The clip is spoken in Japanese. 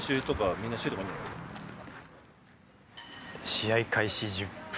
試合開始１０分